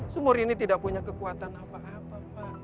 sumur ini tidak punya kekuatan apa apa